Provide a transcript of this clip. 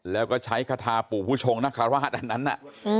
แล้วก็ใช้คาทาปู่ผู้ชงนคาราชอันนั้นน่ะ